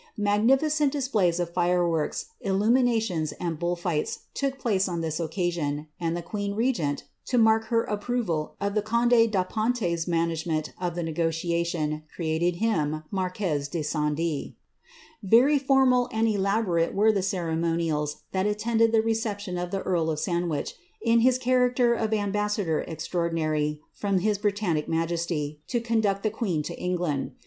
Magnificent displays of fireworks, illo ^ niinations, and bull fights, took place on this occasion, and the queen ., regent, to mark her approval of the conde da Pouters management of , the negotiation, created him marquez de Sandc/ ^ Very formal and elaborate were the ceremonials that attended the re » ception of the earl of Sandwich, in his character of ambassador extia* i ordinary from his Britannic majesty, to conduct the queen to Englaad.